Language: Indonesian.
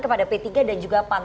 kepada p tiga dan juga pan